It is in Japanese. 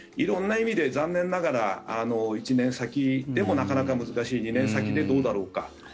色んな意味で残念ながら１年先でもなかなか難しい２年先でどうだろうか。